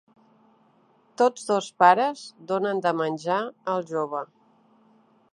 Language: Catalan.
Tots dos pares donen de menjar al jove.